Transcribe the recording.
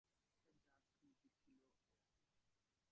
একটা জাত শিল্পী ছিল ও।